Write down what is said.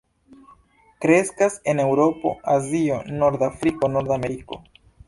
Kreskas en Eŭropo, Azio, norda Afriko, Nordameriko.